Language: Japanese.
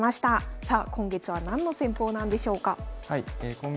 さあ今月は何の戦法なんでしょうか。